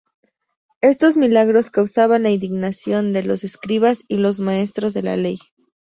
Estos milagros causaban la indignación de los escribas y los maestros de la ley.